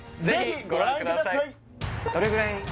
ぜひご覧ください